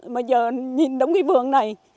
mà giờ nhìn đống cái vườn này